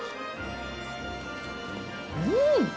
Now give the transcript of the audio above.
うん！